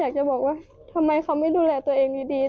อยากจะบอกว่าทำไมเขาไม่ดูแลตัวเองดี